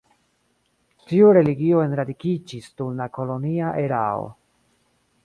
Tiu religio enradikiĝis dum la kolonia erao.